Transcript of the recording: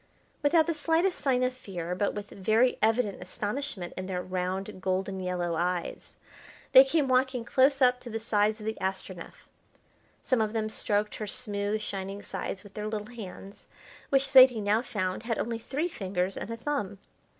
Without the slightest sign of fear, but with very evident astonishment in their round golden yellow eyes, they came walking close up to the sides of the Astronef. Some of them stroked her smooth, shining sides with their little hands, which Zaidie now found had only three fingers and a thumb.